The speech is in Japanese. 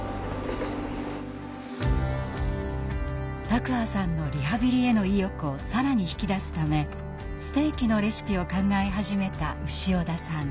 卓巴さんのリハビリへの意欲を更に引き出すためステーキのレシピを考え始めた潮田さん。